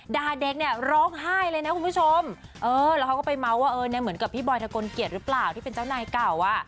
ด่าเด็กเนี่ยร้องไห้เลยนะคุณผู้ชมเออแล้วเขาก็ไปเมาส์ว่าเออเนี่ยเหมือนกับพี่บอยทะกลเกียจหรือเปล่าที่เป็นเจ้านายเก่าอ่ะ